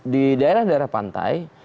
di daerah daerah pantai